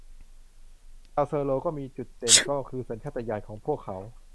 ชาวเชอโรกีมีจุดเด่นก็คือสัญชาตญาณของพวกเขา